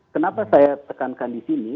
kenapa saya tekankan di sini